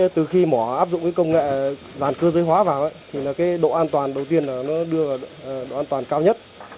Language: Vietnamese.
từ khi mỏ áp dụng công nghệ ràn cơ dây hóa vào độ an toàn đầu tiên đưa vào độ an toàn cao nhất